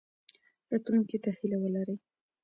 راتلونکي ته هیله ولرئ